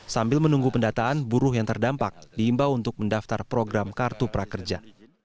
sambil menunggu pendataan buruh yang terdampak diimbau untuk mendaftar program kartu prakerja